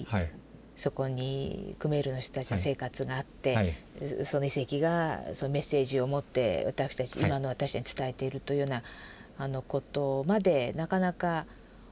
そこにクメールの人たちの生活があってその遺跡がそのメッセージを持って今の私たちに伝えているというようなことまでなかなか思いが至らないと。